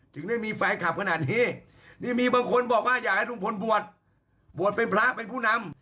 ถึงได้มีแฟนคลับขนาดนี้นี่มีบางคนบอกว่าอยากให้ลุงพลบวชบวชเป็นพระเป็นผู้นำ